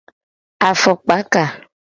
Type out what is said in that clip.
Afokpaka.